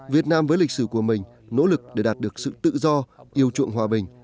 việt nam với lịch sử của mình nỗ lực để đạt được sự tự do yêu chuộng hòa bình